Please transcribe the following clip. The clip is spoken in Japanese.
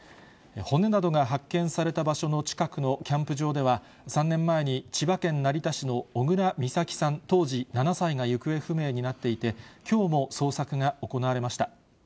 骨などが発見された場所の近くのキャンプ場では、３年前に千葉県成田市の小倉美咲さん当時７歳が行方不明になっていて、きょうも捜索が行われました。